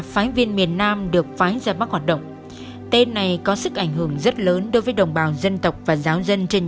thì lúc đầu thì lại có tin